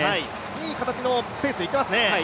いい形のペースできてますね。